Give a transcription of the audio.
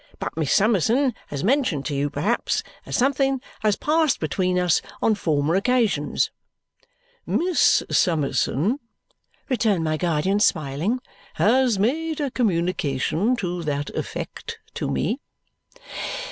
But Miss Summerson has mentioned to you, perhaps, that something has passed between us on former occasions?" "Miss Summerson," returned my guardian, smiling, "has made a communication to that effect to me."